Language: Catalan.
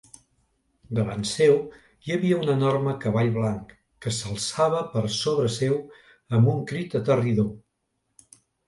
Davant seu hi havia un enorme cavall blanc, que s'alçava per sobre seu amb un crit aterridor.